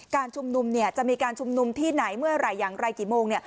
การชุมนุมเนี่ยจะมีการชุมนุมที่ไหนเมื่อไหร่อย่างไรกี่โมง